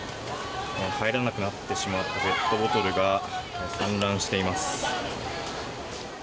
入らなくなってしまってペットボトルが散乱しています。